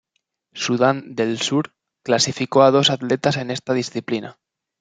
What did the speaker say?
Sudán del Sur clasificó a dos atletas en esta disciplina.